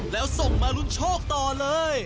แล้วส่งมารุนโชคต่อเลย